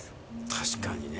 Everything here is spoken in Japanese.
確かにね。